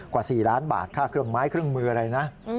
กว่า๔ล้านบาทค่าเครื่องไม้เครื่องมืออะไรนะ